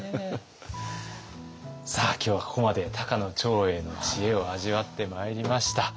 さあ今日はここまで高野長英の知恵を味わってまいりました。